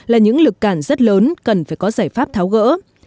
là những lực cản rất lớn cần phải có giải pháp tháo gỡ